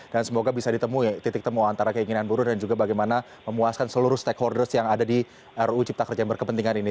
dan semoga bisa ditemui titik temu antara keinginan buruh dan juga bagaimana memuaskan seluruh stakeholders yang ada di ruu cipta kerja yang berkepentingan ini